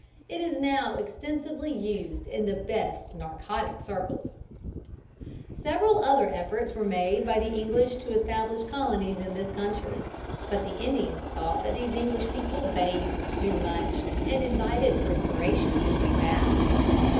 It is now extensively used in the best narcotic circles. [Illustration: RALEIGH'S ENJOYMENT.] Several other efforts were made by the English to establish colonies in this country, but the Indians thought that these English people bathed too much, and invited perspiration between baths.